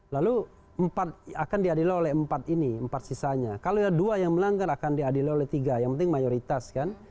lalu akan diadil oleh empat ini empat sisanya kalau dua yang melanggar akan diadil oleh tiga yang penting mayoritas